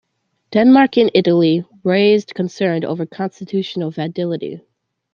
Denmark and Italy raised concerns over constitutional validity.